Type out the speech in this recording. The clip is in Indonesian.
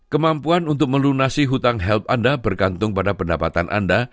kemampuan untuk melunasi hutang help anda bergantung pada pendapatan anda